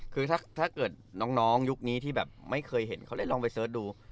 คือถ้าเกิดน้องยุคนี้ที่แบบไม่เคยเห็นเขาเลยลองไปเสิร์ชดู